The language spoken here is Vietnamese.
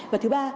và thứ ba